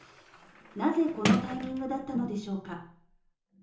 なぜこのタイミングだったのでしょうか？